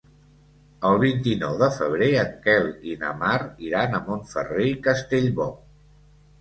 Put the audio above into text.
El vint-i-nou de febrer en Quel i na Mar iran a Montferrer i Castellbò.